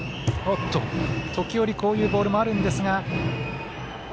時折、こういったボールもあるんですが。